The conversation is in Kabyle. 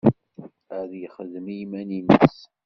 Ad yexdem i yiman-nnes.